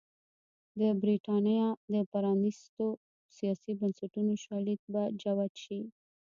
د برېټانیا د پرانېستو سیاسي بنسټونو شالید به جوت شي.